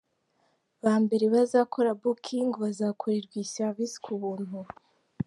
bambere bazakora Booking bazakorerwa iyi Service kubuntu.